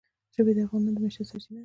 ژبې د افغانانو د معیشت سرچینه ده.